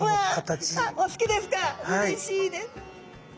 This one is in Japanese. うれしいです。